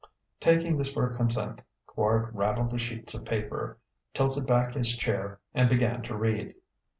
Taking this for consent, Quard rattled the sheets of paper, tilted back his chair, and began to read.